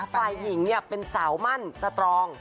ฝ่ายหญิงเป็นสาวมั่นสตรอง